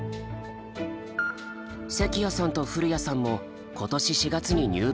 関谷さんと古谷さんも今年４月に入部したばかり。